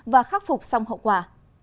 và khắc phục xong hậu quả